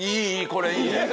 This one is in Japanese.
これいい。